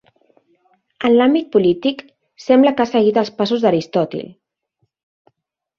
En l'àmbit polític, sembla que ha seguit els passos d'Aristòtil.